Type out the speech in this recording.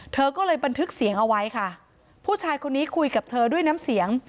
เธอก็เลยบันทึกเสียงเอาไว้ค่ะผู้ชายคนนี้คุยกับเธอด้วยน้ำเสียง